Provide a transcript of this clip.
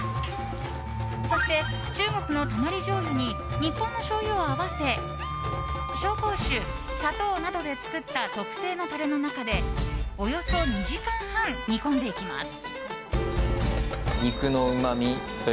そして中国のたまりじょうゆに日本のしょうゆを合わせ紹興酒、砂糖などで作った特製のタレの中でおよそ２時間半煮込んでいきます。